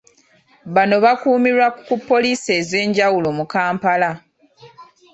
Bano bakuumirwa ku poliisi ez’enjawulo mu Kampala.